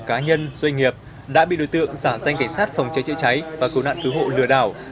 cả nhân doanh nghiệp đã bị đối tượng giả danh cảnh sát phòng cháy cháy cháy và cố nạn cứu hộ lừa đảo